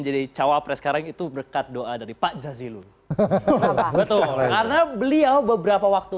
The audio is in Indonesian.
jadi cawapres sekarang itu berkat doa dari pak jazilu hahaha betul karena beliau beberapa waktu